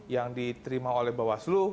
yang diterima oleh bawaslu